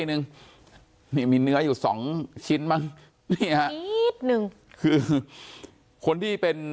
นึงนี่มีเนื้ออยู่สองชิ้นมั้งนี่ฮะนิดนึงคือคนที่เป็น